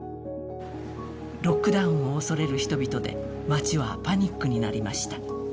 ロックダウンを恐れる人々で街はパニックになりました。